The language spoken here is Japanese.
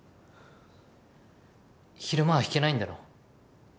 昼間は弾けないんだろ？